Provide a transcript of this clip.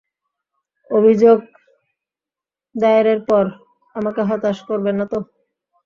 অভিযোগ দায়েরের পর আমাকে হতাশ করবেন না তো?